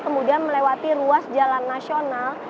kemudian melewati ruas jalan nasional